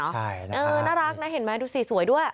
ใช่น่ารักนะเห็นไหมดูสิสวยด้วย